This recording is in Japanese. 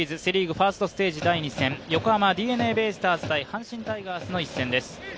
ファーストステージ第２戦横浜ＤｅＮＡベイスターズ×阪神タイガースの１戦です。